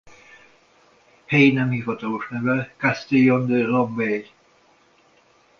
Helyi nemhivatalos neve Castillon-de-Lembeye.